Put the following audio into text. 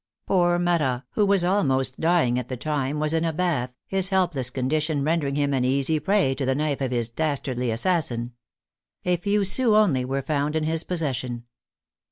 Poor Marat, who was almost dying at the time, was in a bath, his helpless condition rendering him an easy prey to the knife of his dastardly assassin. A few sous only were found in his possession.